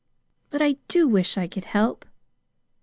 But I do wish I could help!"